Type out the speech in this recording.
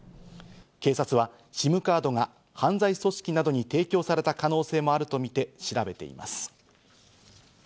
警察はＳＩＭカードが犯罪組織などに提供された可能性もあるとみて調べています。